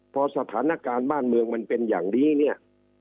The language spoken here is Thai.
พอสถานการณ์บ้านเมืองมันเป็นอย่างนี้เนี่ย